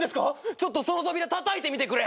ちょっとその扉たたいてみてくれ。